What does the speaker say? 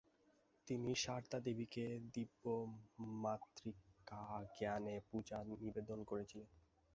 তিনি সারদা দেবীকে দিব্য মাতৃকাজ্ঞানে পূজা নিবেদন করেছিলেন।